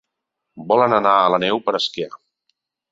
Volen anar a la neu per esquiar.